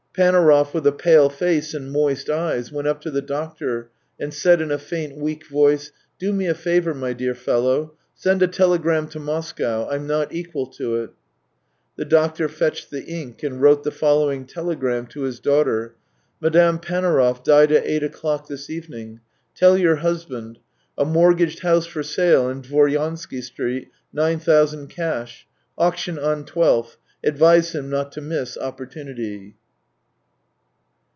Panaurov, with a pale face and moist eyes, went up to the doctor and said in a faint, weak voice :" Do me a favour, my dear fellow. Send a telegram to Moscow. Lm not equal to it." The doctor fetched the ink and wTote the follow ing telegram to his daughter: " Madame Panaurov died at eight o'clock this evening. Tell your husband: a mortgaged house or sale in Dvoryansky Street, nine thousand cash. Auction on twelfth. Advise him not miss opportunity."